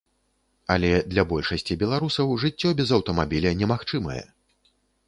Але для большасці беларусаў жыццё без аўтамабіля немагчымае.